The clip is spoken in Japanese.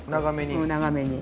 長めに。